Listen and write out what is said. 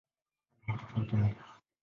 ana watoto watano.